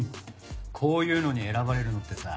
こういうのに選ばれるのってさ。